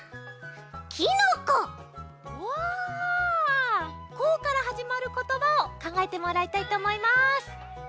「こ」からはじまることばをかんがえてもらいたいとおもいます。